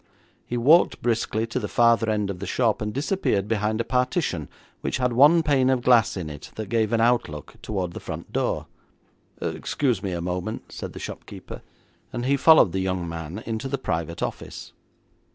He walked briskly to the farther end of the shop, and disappeared behind a partition which had one pane of glass in it that gave an outlook towards the front door. 'Excuse me a moment,' said the shopkeeper, and he followed the young man into the private office.